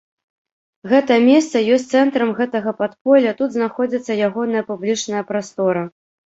Гэтае месца ёсць цэнтрам гэтага падполля, тут знаходзіцца ягоная публічная прастора.